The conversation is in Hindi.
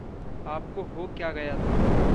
आपको हो क्या गया था?